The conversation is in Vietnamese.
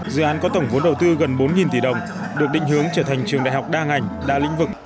dự án có tổng vốn đầu tư gần bốn tỷ đồng được định hướng trở thành trường đại học đa ngành đa lĩnh vực